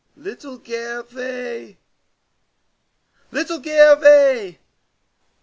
Little Gervais! Little Gervais!"